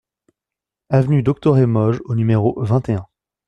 Avenue Doctoré Moges au numéro vingt et un